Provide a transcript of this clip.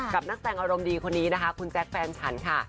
กับนักแสงอารมณ์ดีคนนี้คุณแจ๊คแฟนฉันค่ะ